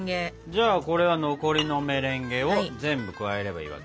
じゃあこれは残りのメレンゲを全部加えればいいわけね。